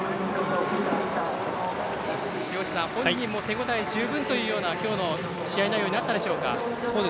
木越さん、本人も手応え十分という今日の試合内容になったでしょうか。